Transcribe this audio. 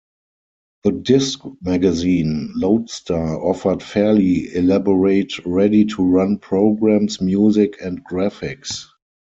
The disk magazine "Loadstar" offered fairly elaborate ready-to-run programs, music, and graphics.